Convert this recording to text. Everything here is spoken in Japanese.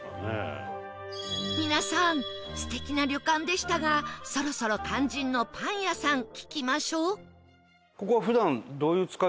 皆さん素敵な旅館でしたがそろそろ肝心のパン屋さん聞きましょう